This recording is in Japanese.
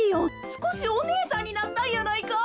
すこしおねえさんになったんやないか？